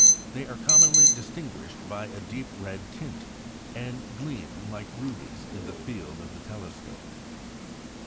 They are commonly distinguished by a deep red tint, and gleam like rubies in the field of the telescope.